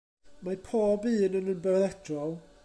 Mae pob un yn ymbelydrol.